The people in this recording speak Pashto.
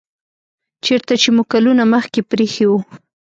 چیرته چې مو کلونه مخکې پریښی و